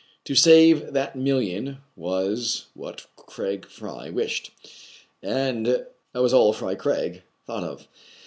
To save that million was what Craig Fry wished : that was all Fry Craig thought of.